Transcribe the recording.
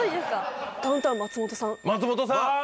松本さん。